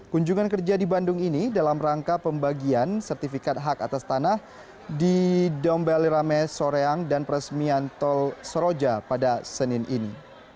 kunjungan kerja di bandung ini dalam rangka pembagian sertifikat hak atas tanah di dombeli rame soreang dan peresmian tol soroja pada senin ini